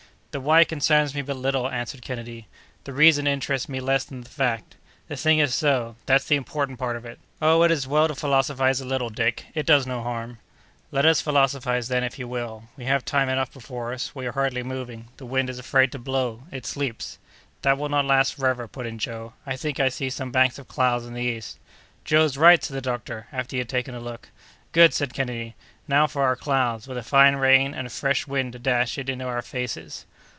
"The why concerns me but little," answered Kennedy, "the reason interests me less than the fact. The thing is so; that's the important part of it!" "Oh, it is well to philosophize a little, Dick; it does no harm." "Let us philosophize, then, if you will; we have time enough before us; we are hardly moving; the wind is afraid to blow; it sleeps." "That will not last forever," put in Joe; "I think I see some banks of clouds in the east." "Joe's right!" said the doctor, after he had taken a look. "Good!" said Kennedy; "now for our clouds, with a fine rain, and a fresh wind to dash it into our faces!"